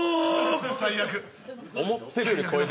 最悪。